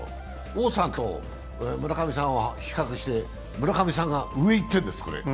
王さんと村上さんを比較して村上さんが上にいってるんです。